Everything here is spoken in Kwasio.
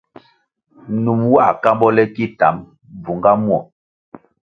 Num nwā kambo le ki tam, bvunga muo.